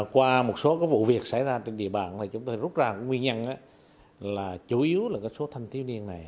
qua một số cái vụ việc xảy ra trên địa bàn thì chúng tôi rút ra nguyên nhân là chủ yếu là cái số thanh tiêu niên này